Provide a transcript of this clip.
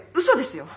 そうです！